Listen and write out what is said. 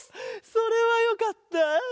それはよかった！